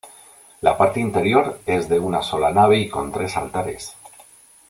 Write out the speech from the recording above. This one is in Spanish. La parte interior es de una sola nave y con tres altares.